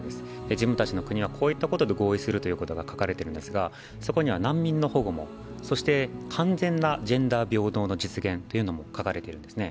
自分たちの国はこういったことで合意するということが書かれているんですがそこには難民の保護も、そして完全なジェンダー平等の実現も書かれてるんですね。